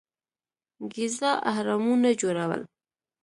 ګیزا اهرامونه جوړول.